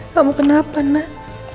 kamu kenapa nak